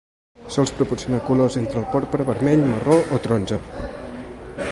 Això els proporciona colors entre el porpra, vermell, marró o taronja.